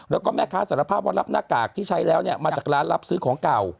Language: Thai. แล้วก็แม่ค้าสารภาพว่ารับหน้ากากที่ใช้แล้วเนี่ยมาจากร้านรับซื้อของเก่า